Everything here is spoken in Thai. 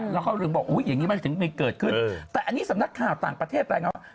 แล้วก็บอกว่าอย่างนี้มันอาจเต็มไม่เกิดขึ้นแต่อันนี้สำนักข่าวต่างประเทศตามเลยว่า